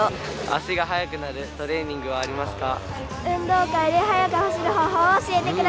足が速くなれるトレーニングはありますか。